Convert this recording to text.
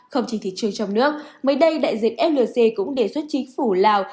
không chỉ thị trường trong nước mới đây đại diện flc cũng đề xuất chính phủ lào